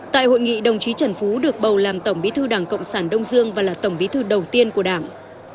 tại hội nghị đồng chí trần phú được bầu làm tổng bí thư đảng cộng sản đông dương và là tổng bí thư đầu tiên của đảng